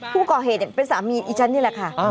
ผู้ก่อเหตุเป็นสามีอีฉันนี่แหละค่ะ